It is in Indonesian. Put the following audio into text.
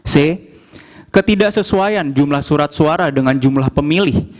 c ketidaksesuaian jumlah surat suara dengan jumlah pemilih